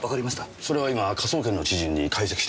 それは今科捜研の知人に解析してもらってます。